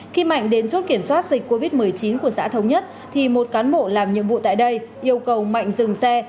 khi mạnh đến chốt kiểm soát dịch covid một mươi chín của xã thống nhất thì một cán bộ làm nhiệm vụ tại đây yêu cầu mạnh dừng xe